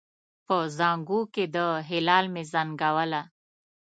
په زانګو کې د هلال مې زنګوله